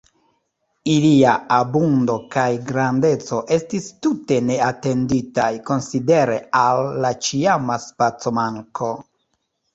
Ilia abundo kaj grandeco estis tute neatenditaj, konsidere al la ĉiama spacomanko.